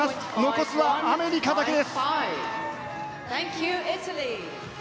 残すはアメリカだけです。